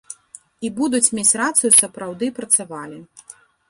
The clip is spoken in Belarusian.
І будуць мець рацыю, сапраўды працавалі.